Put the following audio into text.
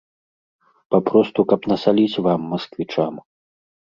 Папросту каб насаліць вам, масквічам.